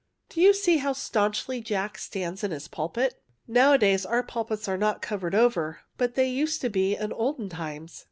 ^' Do you see how staunchly Jack stands in his pulpit? Nowadays our pulpits are not covered over, but they used to be in olden times.